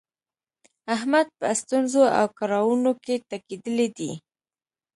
احمد په ستونزو او کړاونو کې ټکېدلی دی.